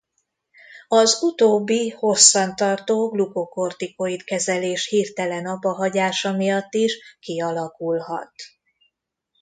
Az utóbbi hosszan tartó glukokortikoid-kezelés hirtelen abbahagyása miatt is kialakulhat.